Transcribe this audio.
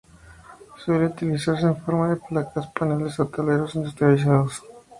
Suele utilizarse en forma de placas, paneles o tableros industrializados.